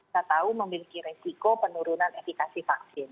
kita tahu memiliki resiko penurunan efekasi vaksin